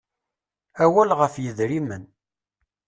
Awal ɣef yidrimen.